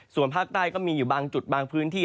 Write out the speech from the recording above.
ส่วนภาคใต้ก็มีอยู่บางจุดบางพื้นที่